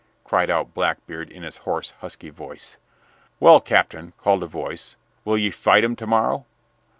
cried out Blackbeard in his hoarse, husky voice. "Well, Captain," called a voice, "will ye fight him to morrow?"